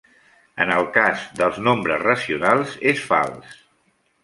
En el cas dels nombres racionals és fals.